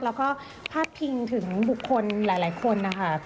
แล้วก็พาดพิงถึงบุคคลหลายคนนะคะ